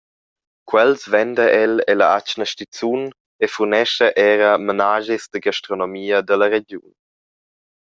Quels venda el ella atgna stizun e furnescha era menaschis da gastronomia dalla regiun.